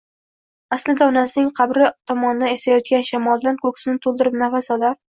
aslida onasining qabri tomondan esayotgan shamoldan ko'ksini to'ldirib nafas olar